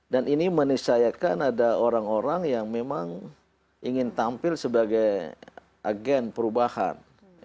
dan ini menisayakan ada orang orang yang memang ingin tampil sebagai agen perubahan